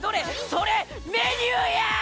それメニューや！